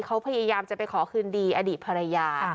เขาพยายามจะไปขอคืนดีอดีตภรรยา